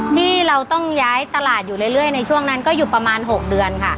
ที่เราต้องย้ายตลาดอยู่เรื่อยในช่วงนั้นก็อยู่ประมาณ๖เดือนค่ะ